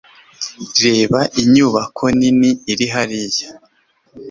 Reba inyubako nini iri hariya.